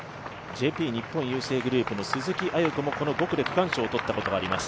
日本郵政グループの鈴木亜由子も５区で区間賞を取ったことがあります。